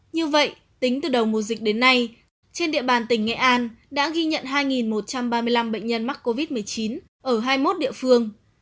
như vậy tính từ đầu mùa dịch đến nay trên địa bàn tỉnh nghệ an đã ghi nhận hai một trăm ba mươi năm bệnh nhân mắc covid một mươi chín ở hai mươi một địa phương